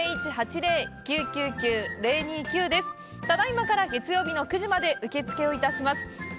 ただいまから月曜日の９時まで受け付けをいたします。